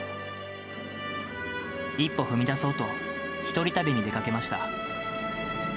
一歩踏み出そうと、一人旅に出かけました。